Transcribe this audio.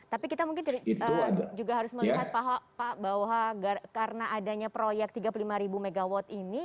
tapi kita mungkin juga harus melihat pak bahwa karena adanya proyek tiga puluh lima ribu megawatt ini